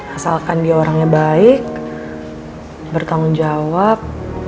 asalkan dia orangnya baik bertanggung jawab